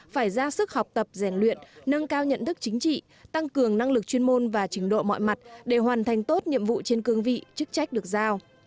phải ra sức học tập rèn luyện nâng cao nhận thức chính trị tăng cường năng lực chuyên môn và trình độ mọi mặt để hoàn thành tốt nhiệm vụ trên cương vị chức trách được giao